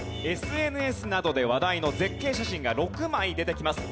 ＳＮＳなどで話題の絶景写真が６枚出てきます。